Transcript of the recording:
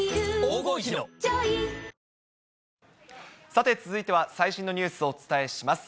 さて、続いては最新のニュースをお伝えします。